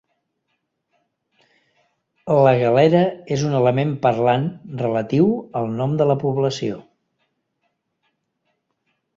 La galera és un element parlant relatiu al nom de la població.